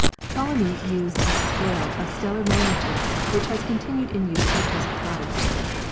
Ptolemy used a scale of stellar mag nitudes, which has continued in use to the present time.